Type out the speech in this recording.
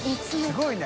すごいな。